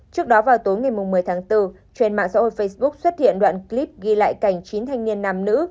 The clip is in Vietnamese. trước đó vào tối ngày một mươi tháng bốn trên mạng xã hội facebook xuất hiện đoạn clip ghi lại cảnh chín thanh niên nam nữ